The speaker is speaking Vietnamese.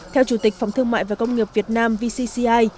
theo chủ tịch phòng thương mại và công nghiệp việt nam vcci